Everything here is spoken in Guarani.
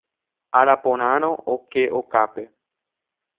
Araporãrõ oke okápe.